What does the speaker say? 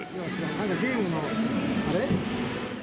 なんかゲームのあれ？